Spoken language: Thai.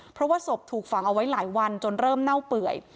เพราะว่าศพถูกฝังเอาไว้หลายวันจนเริ่มเน่าเปื่อย